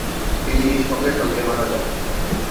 তিনি সঙ্গে সঙ্গে মারা যান।